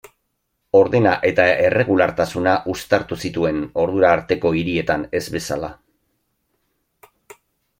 Ordena eta erregulartasuna uztartu zituen, ordura arteko hirietan ez bezala.